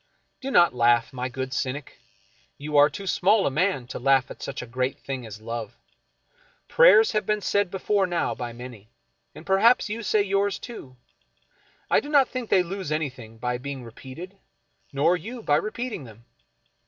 Do not laugh, my good cynic. You are too small a man to laugh at such a great thing as love. Prayers have been said before now by many, and perhaps you say yours, too. I do not think they lose anything by being re peated, nor you by repeating them.